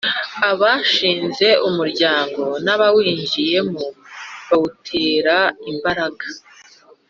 Abashinze umuryango n ‘abawinjiyemo bawutera inkunga.